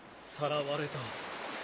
さらわれた。